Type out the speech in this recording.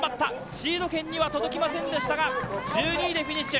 シード権には届きませんでしたが１２位でフィニッシュ。